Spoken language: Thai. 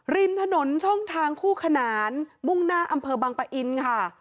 ริมถนนช่องทางคู่ขนานมุ่งหน้าอำเภอบังปะอินค่ะ